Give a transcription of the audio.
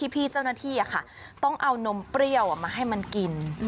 พี่เจ้าหน้าที่ต้องเอานมเปรี้ยวมาให้มันกิน